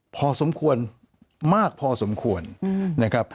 พอสมควรมากพอสมควรนะครับ